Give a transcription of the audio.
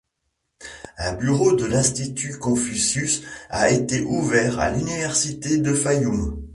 Un bureau de l'institut Confucius a été ouvert à l'université de Fayoum.